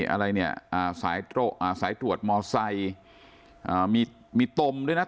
อะไรเนี้ยอ่าสายตรวจอ่าสายตรวจมอไซอ่ามีมีตมด้วยน่ะ